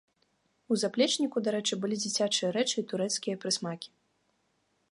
У заплечніку, дарэчы, былі дзіцячыя рэчы і турэцкія прысмакі.